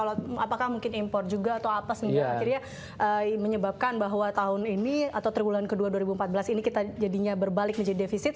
apakah mungkin impor juga atau apa sih yang akhirnya menyebabkan bahwa tahun ini atau terbulan kedua dua ribu empat belas ini kita jadinya berbalik menjadi defisit